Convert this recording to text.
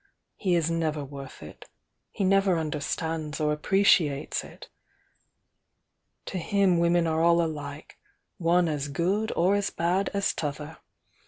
He is never worth it, — he never understands or appreciates it. To him women are all alike, — one as good or as bad as t'other.